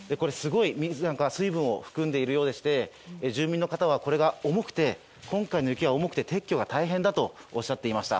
水分を含んでいるようでして住民の方はこれが重くて今回の雪は重くて撤去が大変だとおっしゃっていました。